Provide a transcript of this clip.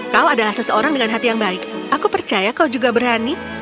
kau adalah seseorang dengan hati yang baik aku percaya kau juga berani